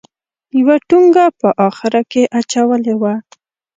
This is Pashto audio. یوه ټونګه په اخره کې اچولې وه.